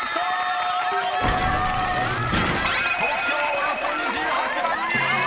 およそ２８万人！］